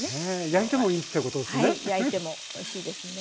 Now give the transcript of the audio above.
焼いてもいいってことですね？